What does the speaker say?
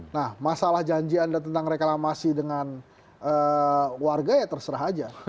nah masalah janji anda tentang reklamasi dengan warga ya terserah aja